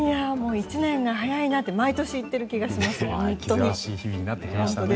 １年が早いなと毎年言っている気がしますね。